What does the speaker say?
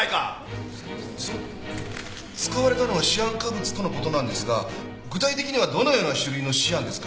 使われたのはシアン化物との事なんですが具体的にはどのような種類のシアンですか？